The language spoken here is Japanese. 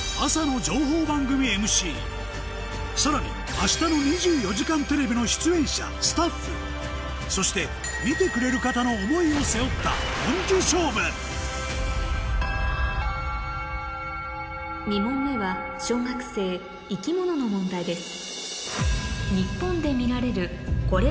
さらに明日の『２４時間テレビ』のそして見てくれる方の思いを背負った本気勝負２問目は小学生生き物の問題です